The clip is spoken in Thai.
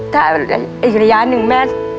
ถ่ายอีกระยะหนึ่งแม่